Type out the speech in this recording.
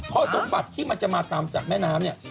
เพราะสมบัติที่จะมาตามจากแม่น้ำ